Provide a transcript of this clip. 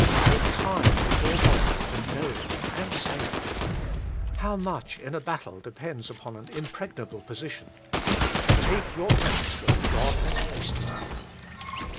Take time before God to know it and say it. How much in a battle depends upon an im pregnable position. Take your place Where God Has Placed You.